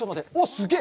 すげえ！